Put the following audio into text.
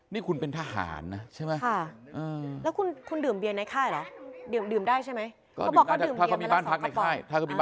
นี่คุณเป็นทหารนะใช่ไหม